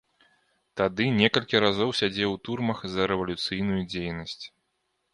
Тады некалькі разоў сядзеў у турмах за рэвалюцыйную дзейнасць.